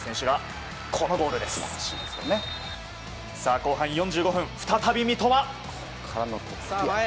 後半４５分、再び三笘。